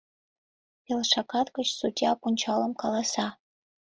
Пел шагат гыч судья пунчалым каласа: